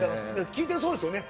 聞いてるとそうですよね